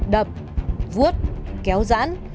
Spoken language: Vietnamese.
đập vuốt kéo rãn